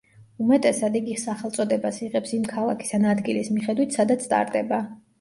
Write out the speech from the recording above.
უმეტესად, იგი სახელწოდებას იღებს იმ ქალაქის ან ადგილის მიხედვით, სადაც ტარდება.